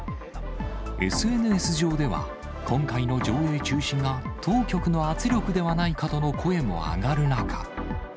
ＳＮＳ上では、今回の上映中止が、当局の圧力ではないかとの声も上がる中。